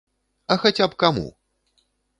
А хаця б каму!